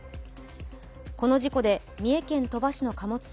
この事故で三重県鳥羽市の貨物船